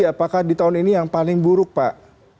apakah di tahun ini yang paling buruk pak